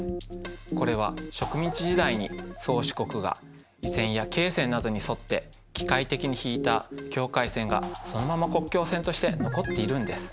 これは植民地時代に宗主国が緯線や経線などに沿って機械的に引いた境界線がそのまま国境線として残っているんです。